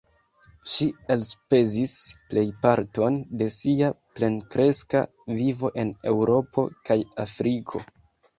Ŝi elspezis plejparton de sia plenkreska vivo en Eŭropo kaj Afriko.